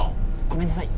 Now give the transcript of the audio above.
ごめんなさい